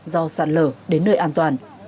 do sạt lờ đến nơi an toàn